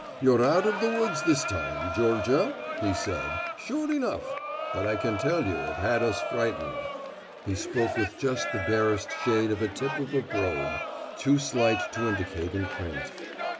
"You're out of the woods this time, Georgia," he said, "sure enough. But I can tell you you had us frightened." He spoke with just the barest shade of a tip of a brogue, too slight to indicate in print.